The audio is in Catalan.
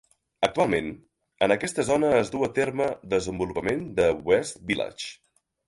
Actualment, en aquesta zona es duu a terme desenvolupament de West Village.